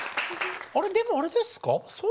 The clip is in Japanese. あれでもあれですか？